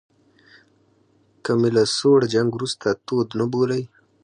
که مې له سوړ جنګ وروسته تود نه بولئ.